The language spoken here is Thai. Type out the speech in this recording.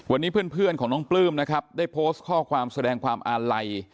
วันนี้เพื่อนของน้องปลื้มนะครับได้โพสต์ข้อความแสดงความอาลัย